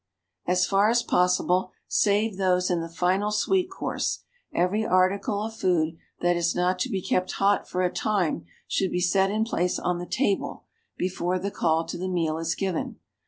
As far as possible, save those in the final sweet course, every article of food that is not to be kept hot for a time should be set in place on the table before the call to the meal is given.